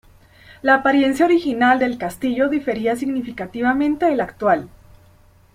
La apariencia original del castillo difería significativamente de la actual.